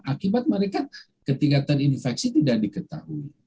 akibat mereka ketika terinfeksi tidak diketahui